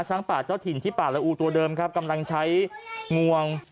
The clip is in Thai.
ป่าเจ้าถิ่นที่ป่าละอูตัวเดิมครับกำลังใช้งวง